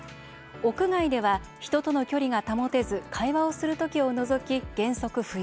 屋外では人との距離が保てず会話をする時を除き、原則不要。